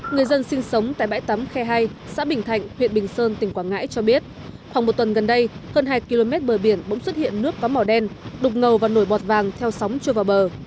người dân sinh sống tại bãi tắm khe hai xã bình thạnh huyện bình sơn tỉnh quảng ngãi cho biết khoảng một tuần gần đây hơn hai km bờ biển bỗng xuất hiện nước có màu đen đục ngầu và nổi bọt vàng theo sóng trôi vào bờ